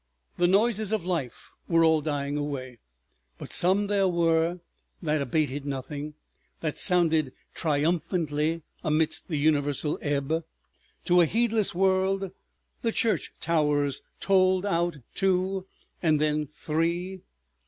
The noises of life were all dying away, but some there were that abated nothing, that sounded triumphantly amidst the universal ebb. To a heedless world the church towers tolled out two and then three.